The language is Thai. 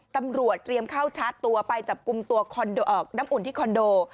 ตำรวจเตรียมเข้าชาร์จตัวไปจับกลุ่มตัวน้ำอุ่นที่คอนโด